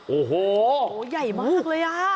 โอ้โหใหญ่มากเลยอ่ะ